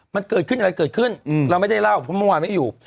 มันเกิดขึ้นอะไรเกิดขึ้นเราไม่ได้เล่าเพราะเมื่อวานไม่อยู่